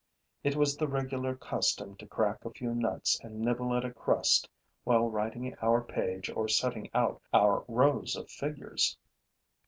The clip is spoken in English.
It was the regular custom to crack a few nuts and nibble at a crust while writing our page or setting out our rows of figures.